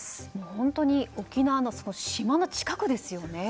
本当に沖縄の島の近くですよね。